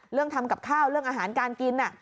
ทำกับข้าวเรื่องอาหารการกิน